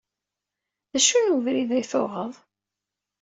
D acu n webrid ay tuɣeḍ?